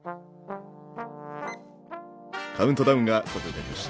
カウントダウンが。